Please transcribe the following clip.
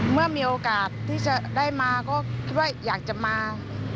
เมื่อมีโอกาสที่จะได้มาก็คิดว่าอยากจะมา